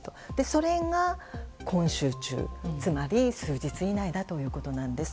それが今週中、つまり数日以内だということです。